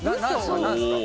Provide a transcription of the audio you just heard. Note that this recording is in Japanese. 何ですか？